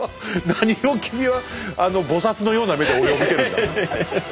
何を君は菩のような目で俺を見てるんだ！